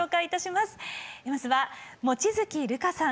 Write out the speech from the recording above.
まずは望月琉叶さん